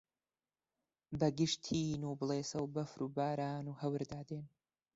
بەگژ تین و بڵێسە و بەفر و باران و هەوردا دێن